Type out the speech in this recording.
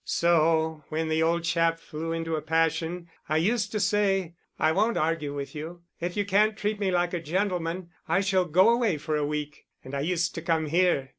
So when the old chap flew into a passion, I used to say, 'I won't argue with you. If you can't treat me like a gentleman, I shall go away for a week.' And I used to come here.